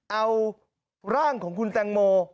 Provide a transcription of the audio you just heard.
เอาร่างของคุณแตงโม